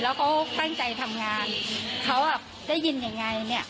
แล้วเขาตั้งใจทำงานเขาอ่ะได้ยินยังไงเนี่ย